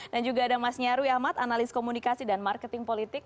dan juga ada mas nyarwi ahmad analis komunikasi dan marketing politik